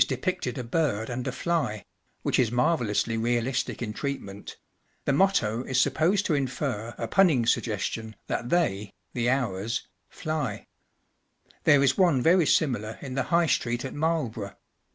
609 L^iJ depicted a bird and a fly (which is marvellously realistic in treat¬ ment); the motto is supposed to infer a punning suggestion that they (the hours) fly There is one very similar in the High street at Marlborough.